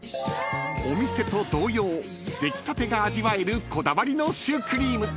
［お店と同様出来たてが味わえるこだわりのシュークリーム］